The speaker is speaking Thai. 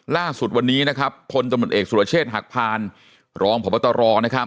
ล่าสุดวันนี้คนจำนวนเอกสุรเชษฐ์หักพานรองผบตร